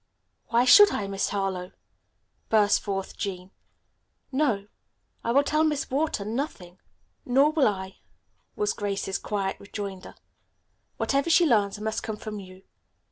"Why should I, Miss Harlowe?" burst forth Jean. "No; I will tell Miss Wharton nothing." "Nor will I," was Grace's quiet rejoinder. "Whatever she learns must come from you.